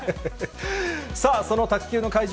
その卓球の会場